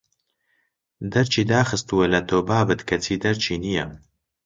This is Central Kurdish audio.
دەرکی داخستووە لە تۆ بابت کەچی دەرکی نییە